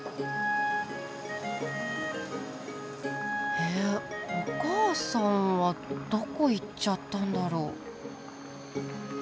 えっお母さんはどこ行っちゃったんだろう？